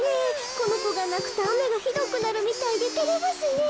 このこがなくとあめがひどくなるみたいでてれますねえ。